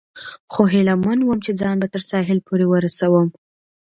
خو هیله من ووم، چې ځان به تر ساحل پورې ورسوم.